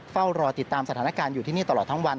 เฝ้ารอติดตามสถานการณ์อยู่ที่นี่ตลอดทั้งวัน